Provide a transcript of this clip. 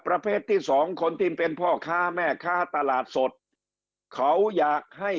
ประเภทที่สองคนที่เป็นพ่อค้าแม่ค้าตลาดสดเขาอยากให้